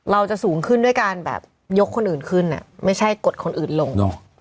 เราจะสูงขึ้นด้วยการแบบยกคนอื่นขึ้นไม่ใช่กดคนอื่นลง